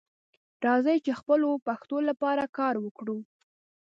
راځئ چې خپلې پښتو لپاره کار وکړو